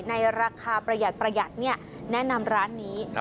ในราคาประหยัดประหยัดเนี้ยแนะนำร้านนี้ครับ